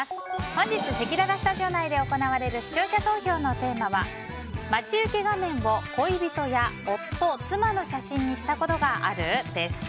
本日せきららスタジオ内で行われる視聴者投票のテーマは待ち受け画面を恋人や夫・妻の写真にしたことがある？です。